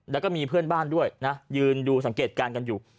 แล้วก็มีเพื่อนบ้านด้วยนะยืนดูสังเกตการณ์กันอยู่